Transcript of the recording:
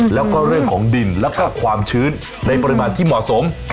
แล้วก็เรื่องของดินแล้วก็ความชื้นในปริมาณที่เหมาะสม